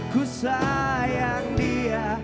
ku sayang dia